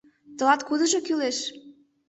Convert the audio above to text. Тылат кудыжо кӱлеш?